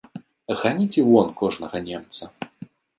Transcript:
Ганіце вон кожнага немца!